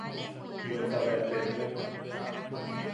Bweta bea tennek.